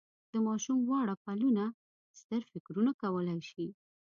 د ماشوم واړه پلونه ستر فکرونه کولای شي.